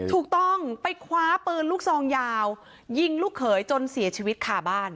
ถูกต้องไปคว้าปืนลูกซองยาวยิงลูกเขยจนเสียชีวิตขาบ้าน